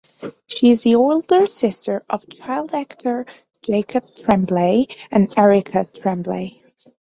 She is the older sister of child actor Jacob Tremblay and Erica Tremblay.